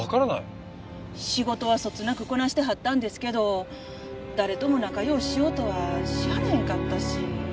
仕事はそつなくこなしてはったんですけど誰とも仲良うしようとはしはらへんかったし。